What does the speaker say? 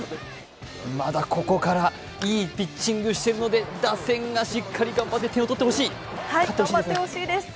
まだここから、いいピッチングしてるので打線がしっかりと点をとってほしい、勝ってほしいですね。